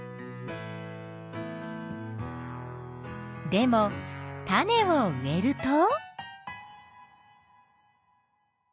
でも種を植えると。